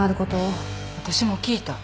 私も聞いた。